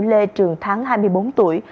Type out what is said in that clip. lê trường thắng hai mươi bốn tuổi